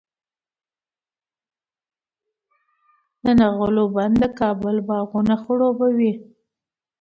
د نغلو بند د کابل باغونه خړوبوي.